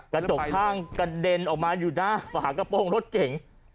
กระจกข้างกระเด็นออกมาอยู่หน้าฝากระโปรงรถเก่ง